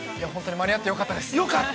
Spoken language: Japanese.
◆間に合ってよかったです。